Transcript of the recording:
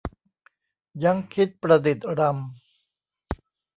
ยั้งคิดประดิษฐ์รำ